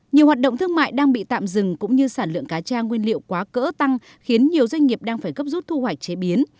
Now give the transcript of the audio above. nhiều hoạt động thương mại đang bị tạm dừng cũng như sản lượng cá cha nguyên liệu quá cỡ tăng khiến nhiều doanh nghiệp đang phải gấp rút thu hoạch chế biến